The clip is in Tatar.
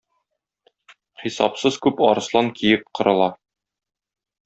Хисапсыз күп арыслан-киек кырыла.